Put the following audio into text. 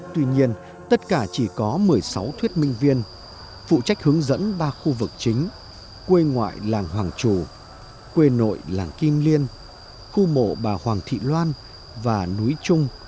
tuy nhiên tất cả chỉ có một mươi sáu thuyết minh viên phụ trách hướng dẫn ba khu vực chính quê ngoại làng hoàng trù quê nội làng kim liên khu mộ bà hoàng thị loan và núi trung